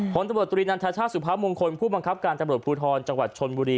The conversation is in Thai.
ผลตำรวจตรีนันทชาติสุภาพมงคลผู้บังคับการตำรวจภูทรจังหวัดชนบุรี